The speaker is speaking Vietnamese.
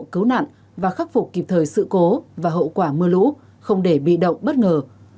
cứu nạn và khắc phục kịp thời sự cố và hậu quả mưa lũ không để bị động bất ngờ